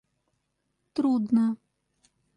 трудно